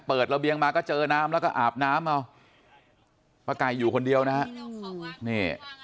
ระเบียงมาก็เจอน้ำแล้วก็อาบน้ำเอาป้าไก่อยู่คนเดียวนะฮะนี่